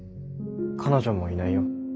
彼女もいないよ。